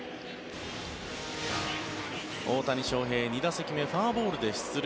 大谷翔平、２打席目フォアボールで出塁。